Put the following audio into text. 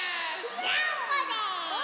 ジャンコです！